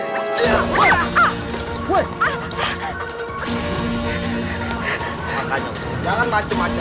kadang aku mau beli bahan makanan buat bikin kue buat ibu